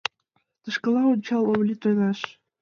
Тышкыла ончал, — ом лӱд ойлаш!